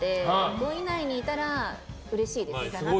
５位以内にいたらうれしいです。